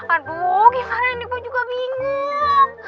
aduh karenanya gue juga bingung